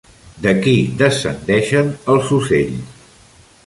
De qui descendeixen els ocells?